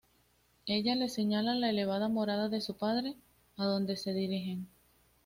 Ella les señala la elevada morada de su padre, adonde se dirigen.